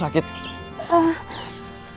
tunggu tunggu tunggu